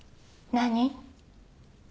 何？